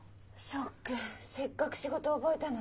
ショックせっかく仕事覚えたのに。